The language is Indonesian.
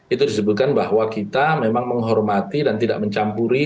itu disebutkan bahwa kita memang menghormati dan tidak mencampuri